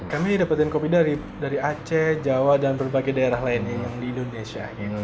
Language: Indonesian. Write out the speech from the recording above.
kami dapatkan kopi dari aceh jawa dan berbagai daerah lainnya yang di indonesia